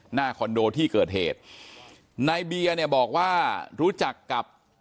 คอนโดที่เกิดเหตุนายเบียร์เนี่ยบอกว่ารู้จักกับ